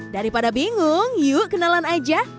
daripada bingung yuk kenalan aja